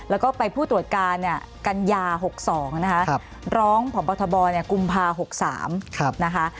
แล้วก็ไปผู้ตรวจการกัญญา๖๒นะคะร้องพบทบกุมภา๖๓นะคะ